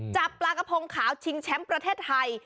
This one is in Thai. จับปลากระพงขาวชิงแชมป์ประเทศไทย